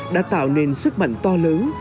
đã tạo nên sức mạnh to lớn